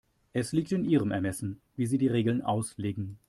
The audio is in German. Es liegt in Ihrem Ermessen, wie Sie die Regeln auslegen.